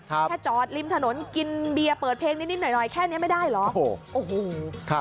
แค่จอดริมถนนกินเบียร์เปิดเพลงนิดหน่อยหน่อยแค่นี้ไม่ได้เหรอโอ้โห